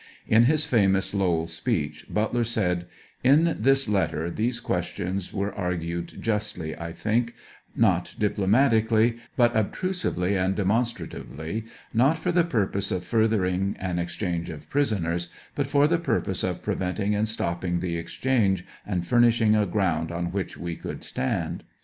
In his famous Lowell speech, Butler said: ''In this letter these questions were argued justly, as I think, not diplomatically, but ob trusively and demonstratively, not for the purpose of furthering an exchange of prisoners, but for the purpose of preventing and stopping the exchange, and furnishing a ground on which we could stand."